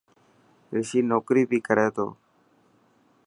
رشي نوڪري بهي ڪري ٿو.